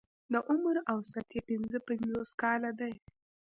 د عمر اوسط يې پنځه پنځوس کاله دی.